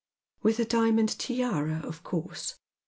" With a diamond tiara, of course.